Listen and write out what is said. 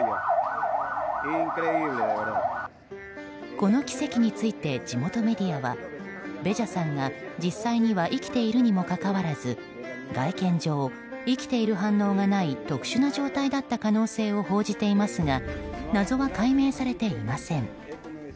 この奇跡について地元メディアはベジャさんが実際には生きているにもかかわらず外見上、生きている反応がない特殊な状態だった可能性を報じていますが謎は解明されていません。